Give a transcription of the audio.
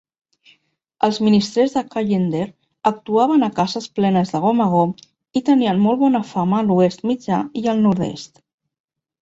Els ministrers de Callender actuaven a cases plenes de gom a gom i tenien molt bona fama a l'Oest Mitjà i al Nord-est.